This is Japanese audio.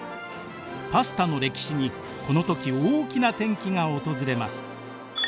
パスタの歴史にこの時大きな転機が訪れます。